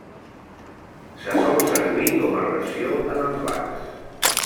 Se sol servir com a ració en els bars.